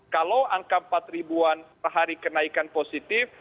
kalau angka empat ribuan per hari kenaikan positif